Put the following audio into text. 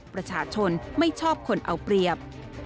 ประชาชนไม่ชอบคนเอาเปรียบ